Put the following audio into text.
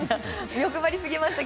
欲張りすぎました。